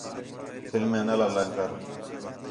فلماں نہ لائیاں کر